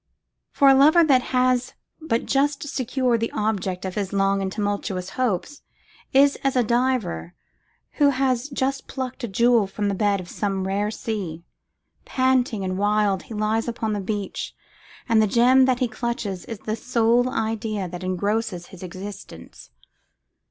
For a lover that has but just secured the object of his long and tumultuous hopes is as a diver who has just plucked a jewel from the bed of some rare sea. Panting and wild he lies upon the beach, and the gem that he clutches is the sole idea that engrosses his existence.